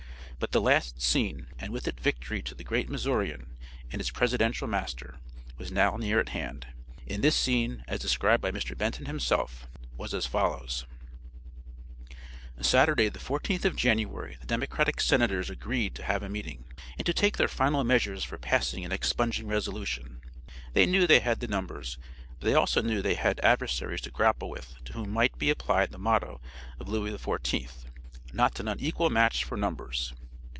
But the last scene, and with it victory to the great Missourian and his presidential master, was now near at hand, and this scene, as described by Mr. Benton himself, was as follows: Saturday the fourteenth of January the Democratic Senators agreed to have a meeting, and to take their final measures for passing an expunging resolution. They knew they had the numbers, but they also knew they had adversaries to grapple with to whom might be applied the motto of Louis Fourteenth: 'Not an unequal match for numbers.'